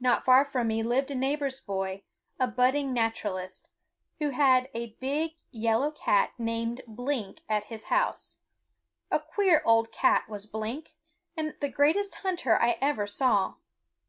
Not far from me lived a neighbor's boy, a budding naturalist, who had a big yellow cat named Blink at his house. A queer old cat was Blink, and the greatest hunter I ever saw.